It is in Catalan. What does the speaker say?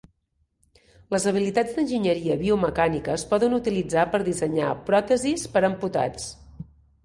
Les habilitats d'enginyeria biomecànica es poden utilitzar per dissenyar pròtesis per a amputats.